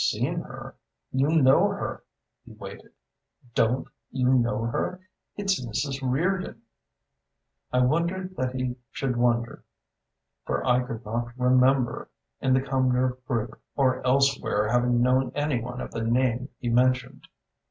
"Seen her? You know her." He waited. "Don't you know her? It's Mrs. Reardon." I wondered that he should wonder, for I could not remember, in the Cumnor group or elsewhere, having known any one of the name he mentioned.